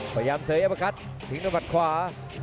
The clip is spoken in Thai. พยายามเสยร์แอปพระคัททิ้งต้นปัดขวา